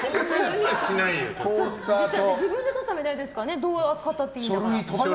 自分でとったメダルですからどう扱ったっていいんですから。